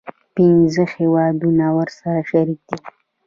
پنځه هیوادونه ورسره شریک دي.